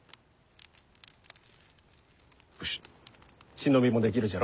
忍びもできるじゃろ。